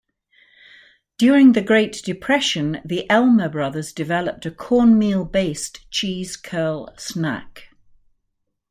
During the Great Depression, the Elmer brothers developed a cornmeal-based cheese-curl snack.